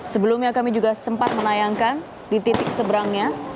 sebelumnya kami juga sempat menayangkan di titik seberangnya